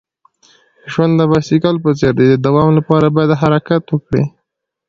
ژوند د بایسکل په څیر دی. د دوام لپاره باید حرکت وکړې.